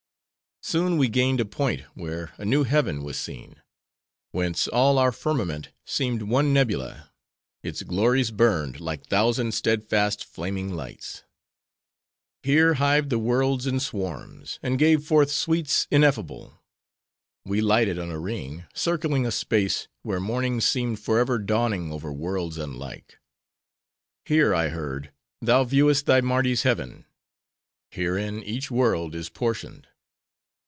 "Soon, we gained a point, where a new heaven was seen; whence all our firmament seemed one nebula. Its glories burned like thousand steadfast flaming lights. "Here hived the worlds in swarms: and gave forth sweets ineffable. "We lighted on a ring, circling a space, where mornings seemed forever dawning over worlds unlike. "'Here,' I heard, 'thou viewest thy Mardi's Heaven. Herein each world is portioned.